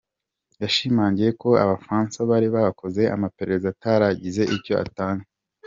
Yashimangiye ko Abafransa bari bakoze amaperereza ataragize icyo atanga.